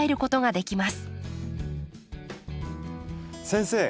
先生